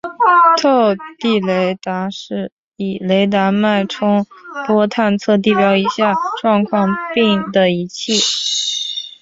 透地雷达是以雷达脉冲波探测地表以下状况并的仪器。